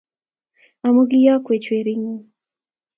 Amu ki'yokwech We-ring'ung',